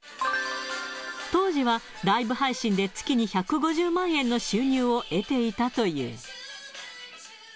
当時はライブ配信で月に１５０万円の収入を得ていたという。